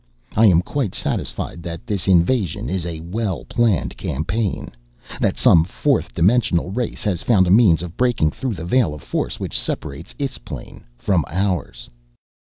I am quite satisfied that this invasion is a well planned campaign, that some fourth dimensional race has found a means of breaking through the veil of force which separates its plane from ours."